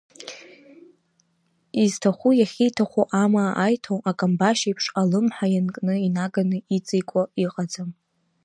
Изҭаху иахьиҭаху амаа аиҭо, акамбашь еиԥш, алымҳа ианкны инаганы иҵеикуа иҟаӡам.